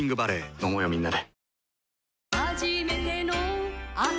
飲もうよみんなで。